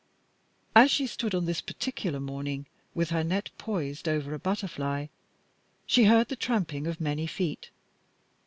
As she stood on this particular morning with her net poised over a butterfly, she heard the tramping of many feet.